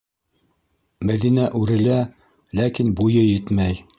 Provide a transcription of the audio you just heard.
- Мәҙинә үрелә, ләкин буйы етмәй.